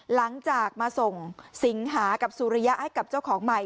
หลังจากมาส่งสิงหากับสุริยะให้กับเจ้าของใหม่